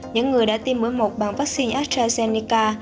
những người đã tiêm mũi một bằng vaccine astrazeneca